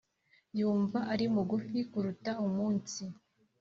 yumva ari mugufi kuruta umunsi